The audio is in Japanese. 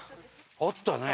あったね。